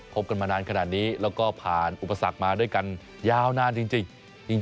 บกันมานานขนาดนี้แล้วก็ผ่านอุปสรรคมาด้วยกันยาวนานจริง